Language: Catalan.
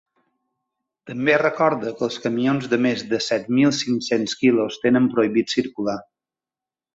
També recorda que els camions de més de set mil cinc-cents quilos tenen prohibit circular.